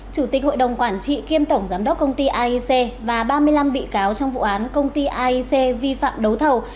chủ tịch hội đồng quản trị kiêm tổng giám đốc công ty aic và ba mươi năm bị cáo trong vụ án công ty aic vi phạm đấu thầu